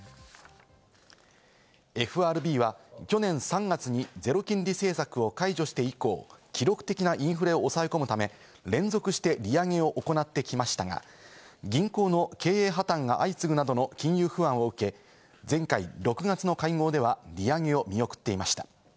ＦＲＢは去年３月にゼロ金利政策を解除して以降、記録的なインフレを抑え込むため、連続して利上げを行ってきましたが、銀行の経営破綻が相次ぐなどの金融不安を受け、前回６月の会合では利上げを見送っていました。